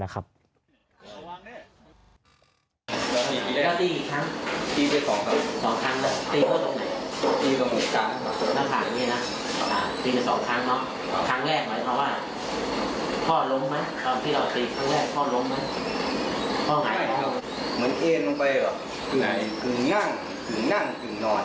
เขาถึงนั่งถึงนอน